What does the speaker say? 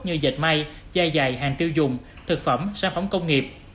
như dạy may dài dài hàng tiêu dùng thực phẩm sản phẩm công nghiệp